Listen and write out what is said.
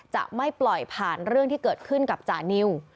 จะไม่ปล่อยผ่านเรื่องที่เกิดขึ้นกับจานิว